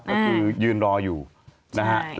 ก็คือยืนรออยู่นะฮะ